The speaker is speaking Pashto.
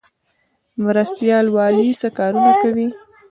مرستیال والي څه کارونه کوي؟